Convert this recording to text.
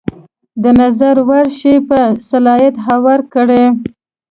د نظر وړ شی په سلایډ هوار کړئ.